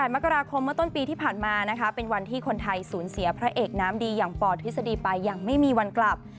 มกราคมเมื่อต้นปีที่ผ่านมานะคะเป็นวันที่คนไทยสูญเสียพระเอกน้ำดีอย่างปทฤษฎีไปอย่างไม่มีวันกลับ